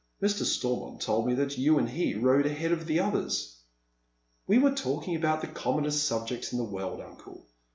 Mr. Stormont told me that you and he rode ahead of the others." " We were talking about the commonest subjects in the world, uncle.